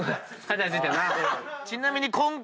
ちなみに。